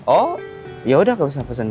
oh yaudah aku bisa pesen taksi online